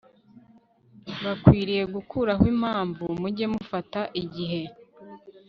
Bakwiriye gukuraho impamvu Mujye mufata igihe